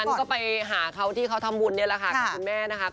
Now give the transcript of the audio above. ฉันก็ไปหาเขาที่เขาทำบุญเนี่ยแหละค่ะ